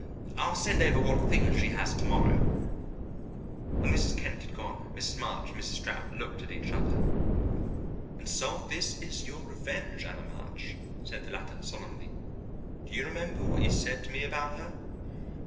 I'll send over what few things she has tomorrow." When Mrs. Kent had gone, Mrs. March and Mrs. Stapp looked at each other. "And so this is your revenge, Anna March?" said the latter solemnly. "Do you remember what you said to me about her?"